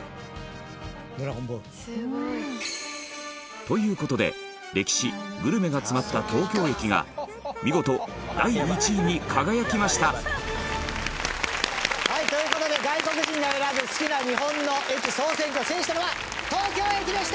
『ドラゴンボール』。という事で歴史、グルメが詰まった東京駅が見事、第１位に輝きました田中：という事で、外国人が選ぶ好きな日本の駅総選挙制したのは東京駅でした！